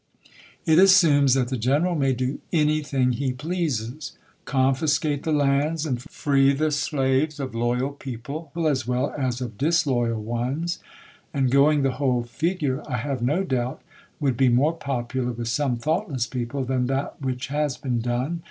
It assumes that the general may do anything he pleases — confiscate the lands and free the slaves of loyal people, as well as of disloyal ones. And going the whole figure, I have no doubt, 422 ABEAHAM LINCOLN ch. XXIV. would be more popular, with some thoughtless people, than that which has been done